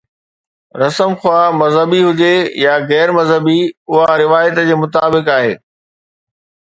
رسم، خواه مذهبي هجي يا غير مذهبي، اها روايت جي مطابق آهي.